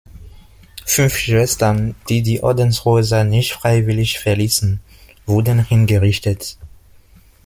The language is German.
Fünf Schwestern, die die Ordenshäuser nicht freiwillig verließen, wurden hingerichtet.